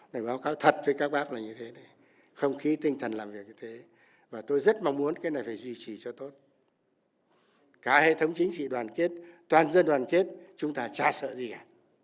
phải báo cáo thật với các bác là như thế này không khí tinh thần làm việc như thế và tôi rất mong muốn cái này phải duy trì cho tốt cả hệ thống chính trị đoàn kết toàn dân đoàn kết chúng ta chả sợ gì cả